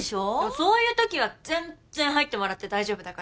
そういうときは全然入ってもらって大丈夫だから。